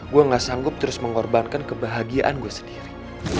gue gak sanggup terus mengorbankan kebahagiaan gue sendiri